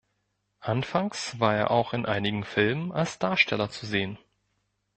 Anfangs war er auch in einigen Filmen als Darsteller zu sehen.